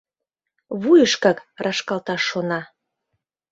Вуйышкак рашкалташ шона.